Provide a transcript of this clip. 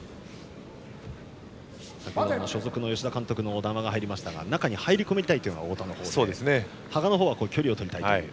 所属の吉田監督の談話が入りましたが中に入り込みたいのが太田の方で羽賀の方は距離をとりたいと。